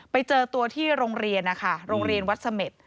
ไปเจอตัวที่โรงเรียนนะคะโรงเรียนวัดเสม็ด